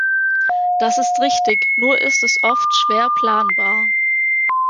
Das ist richtig, nur ist es oft schwer planbar.